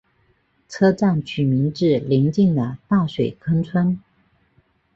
车站取名自邻近的大水坑村。